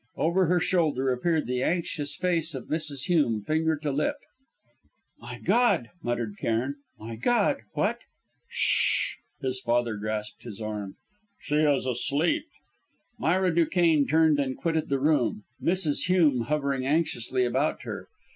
Over her shoulder appeared the anxious face of Mrs. Hume, finger to lip. "My God!" muttered Cairn. "My God! What " "S sh!" his father grasped his arm. "She is asleep!" Myra Duquesne turned and quitted the room, Mrs. Hume hovering anxiously about her.